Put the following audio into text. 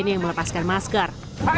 pemuda yang melepaskan masker